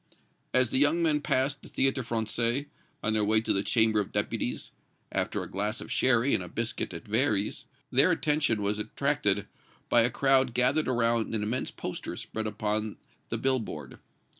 As the young men passed the Théâtre Français, on their way to the Chamber of Deputies, after a glass of sherry and a biscuit at Véry's, their attention was attracted by a crowd gathered around an immense poster spread upon the bill board.